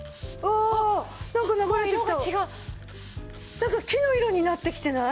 なんか木の色になってきてない？